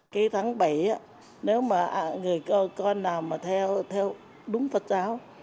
cái tháng bảy nếu mà người con nào mà theo đúng phật giáo